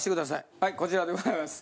はいこちらでございます。